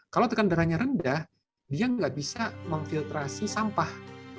kalau tekanan darahnya rendah dia nggak bisa mengfiltrasi sampah